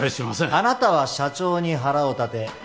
あなたは社長に腹を立て